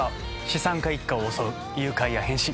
資産家一家を襲う誘拐や変死。